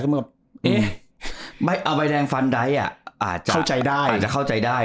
ก็มึงแบบเอ๊ะเอาใบแดงฟันไดท์อ่ะอาจจะเข้าใจได้